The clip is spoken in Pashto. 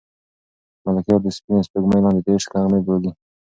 ملکیار د سپینې سپوږمۍ لاندې د عشق نغمې بولي.